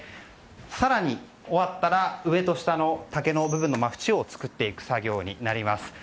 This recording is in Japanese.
更に、終わったら上と下の竹の部分のふちを作っていく作業になります。